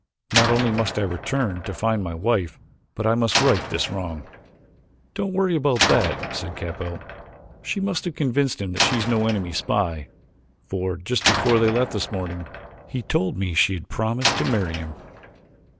"Not only must I return to find my wife but I must right this wrong." "Don't worry about that," said Capell, "she must have convinced him that she is no enemy spy, for just before they left this morning he told me she had promised to marry him."